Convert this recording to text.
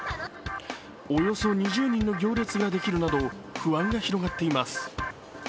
およそ２０人の行列ができるなど不安が広がっています。